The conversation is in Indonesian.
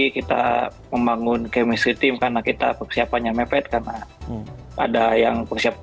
kita membangun chemistry team karena kita persiapannya mepet karena ada yang persiapan